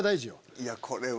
いやこれは。